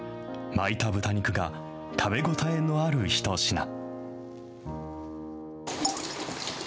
巻いた豚肉が食べ応えのある一品。